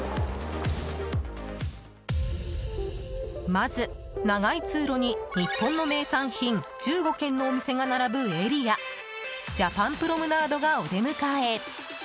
まず、長い通路に日本の名産品１５軒のお店が並ぶエリアジャパンプロムナードがお出迎え。